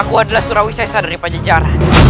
aku adalah surawi sesa dari panjejar